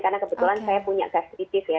karena kebetulan saya punya gastritis ya